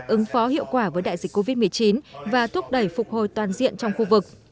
ứng phó hiệu quả với đại dịch covid một mươi chín và thúc đẩy phục hồi toàn diện trong khu vực